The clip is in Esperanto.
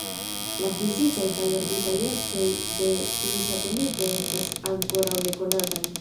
La fizikaj kaj orbitaj ecoj de tiu satelito estas ankoraŭ nekonataj.